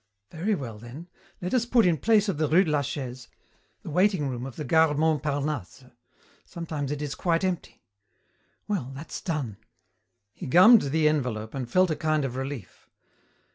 Very well, then, let us put in place of the rue de la Chaise the waiting room of the Gare Montparnasse. Sometimes it is quite empty. Well, that's done." He gummed the envelope and felt a kind of relief.